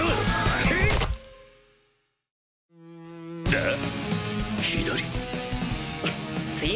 あっ。